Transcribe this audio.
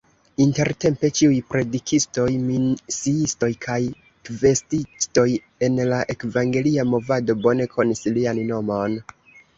Intertempe ĉiuj predikistoj, misiistoj kaj kvestistoj en la Evangelika movado bone konis lian nomon.